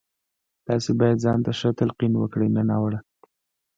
تاسې بايد ځان ته ښه تلقين وکړئ نه ناوړه.